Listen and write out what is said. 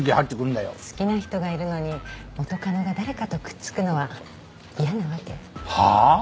好きな人がいるのに元カノが誰かとくっつくのは嫌なわけ？はあ？